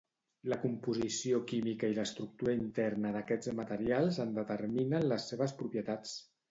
La composició química i l'estructura interna d'aquests materials en determinen les seves propietats.